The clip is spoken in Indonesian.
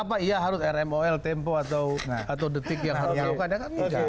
apa iya harus rmol tempo atau detik yang harus dilakukan